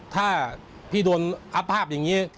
ถ้าพี่โดนอัพภาพอย่างนี้